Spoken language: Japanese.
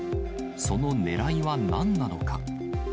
そのねらいはなんなのか。